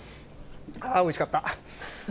あー、おいしかった。